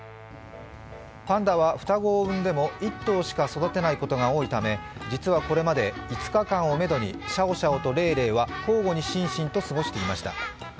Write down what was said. パンダは双子を産んでも１頭しか育てないことが多いため、実は、これまで５日間をめどにシャオシャオとレイレイは交互にシンシンと過ごしていました。